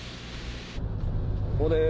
ここです。